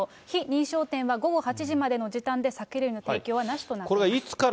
非認証店は午後８時までの時短で、酒類の提供はなしとなっています。